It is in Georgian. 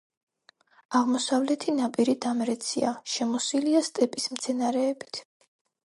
აღმოსავლეთი ნაპირი დამრეცია, შემოსილია სტეპის მცენარეებით.